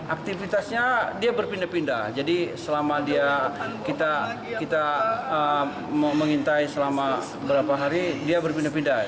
aktivitasnya dia berpindah pindah jadi selama dia kita mengintai selama beberapa hari dia berpindah pindah